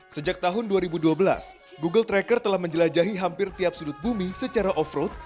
sejak tahun dua ribu dua belas google tracker telah menjelajahi hampir tiap sudut bumi secara off road